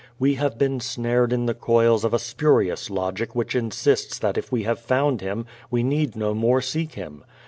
We have been snared in the coils of a spurious logic which insists that if we have found Him we need no more seek Him.